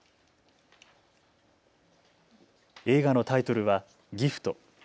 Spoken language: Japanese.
映画のタイトルはギフト。